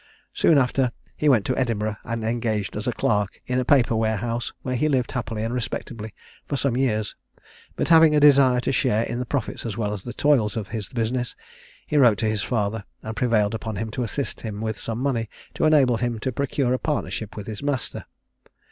Soon after, he went to Edinburgh, and engaged as a clerk in a paper warehouse, where he lived happily and respectably for some years; but having a desire to share in the profits as well as the toils of the business, he wrote to his father, and prevailed upon him to assist him with some money, to enable him to procure a partnership with his master.